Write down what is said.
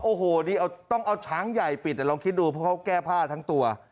โอ้โหนี่ต้องเอาช้างใหญ่ปิดเดี๋ยวลองคิดดูเพราะเขาแก้ผ้าทั้งตัว